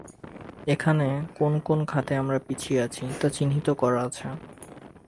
এখানে কোন কোন খাতে আমরা পিছিয়ে আছি, তা চিহ্নিত করা আছে।